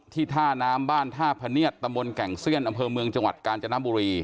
ท่าน้ำบ้านท่าพะเนียดตะมนต์แก่งเซียนอำเภอเมืองจังหวัดกาญจนบุรี